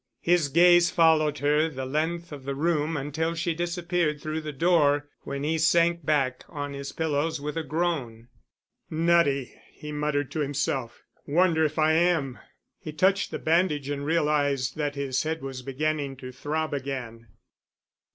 His gaze followed her the length of the room until she disappeared through the door when he sank back on his pillows with a groan. "Nutty!" he muttered to himself; "wonder if I am." He touched the bandage and realized that his head was beginning to throb again.